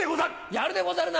やるでござるな。